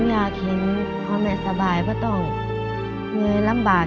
เอาที่บ้านจริงไม่ได้ลำบาก